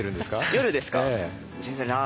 夜ですか？